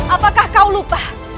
apakah kau lupa